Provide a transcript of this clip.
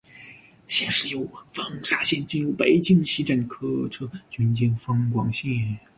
现时由丰沙线进入北京西站的客车均经丰广线。